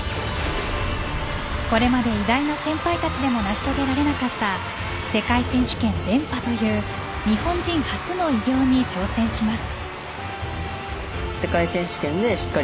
これまで偉大な先輩たちでも成し遂げられなかった世界選手権連覇という日本人初の偉業に挑戦します。